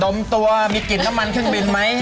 มตัวมีกลิ่นน้ำมันเครื่องบินไหม